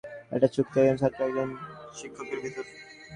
এটা একটা চুক্তি, একজন ছাত্র আর একজন শিক্ষকের ভিতর।